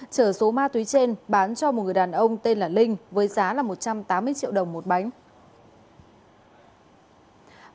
chở số ma túy trên bán cho một người đàn ông tên là linh với giá một trăm tám mươi triệu đồng một bánh